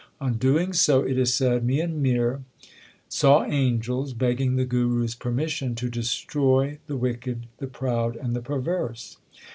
On doing so, it is said, Mian Mir saw angels begging the Guru s permission to destroy the wicked, the proud, and the perverse.